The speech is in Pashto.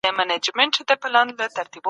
طبیعي علوم ثابت حقایق لري.